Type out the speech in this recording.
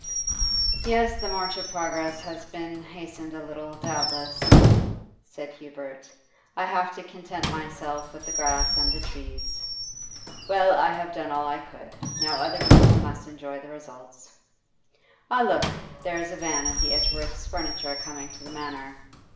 'Yes, the march of progress has been hastened a little, doubtless,' said Hubert. 'I have to content myself with the grass and the trees. Well, I have done all I could, now other people must enjoy the results. Ah, look! there is a van of the Edgeworths' furniture coming to the Manor.